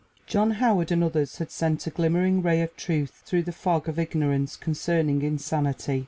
John Howard and others had sent a glimmering ray of truth through the fog of ignorance concerning insanity.